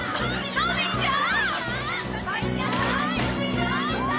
のびちゃん！